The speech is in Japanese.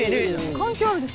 関係あるでしょ。